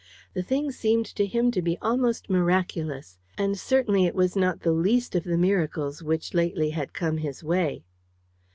The thing seemed to him to be almost miraculous. And certainly it was not the least of the miracles which lately had come his way.